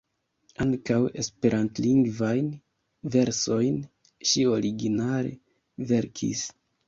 Ankaŭ esperantlingvajn versojn ŝi originale verkis.